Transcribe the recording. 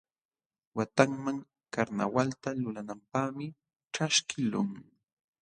Watanman karnawalta lulananpaqmi ćhaskiqlun.